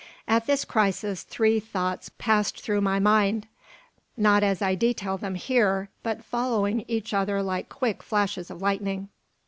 At this crisis three thoughts passed through my mind; not as I detail them here, but following each other like quick flashes of lightning.